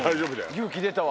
勇気出たわ！